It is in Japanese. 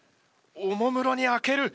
おもむろに開ける。